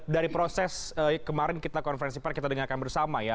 dari proses kemarin kita konferensi pers kita dengarkan bersama ya